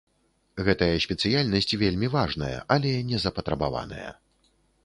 Гэтая спецыяльнасць вельмі важная, але незапатрабаваная.